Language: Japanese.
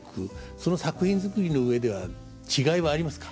その作品づくりの上では違いはありますか？